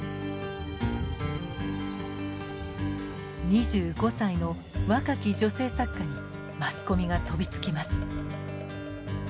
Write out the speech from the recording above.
２５歳の若き女性作家にマスコミが飛びつきます。